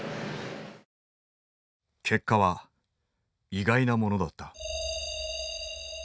結果は意外なものだった。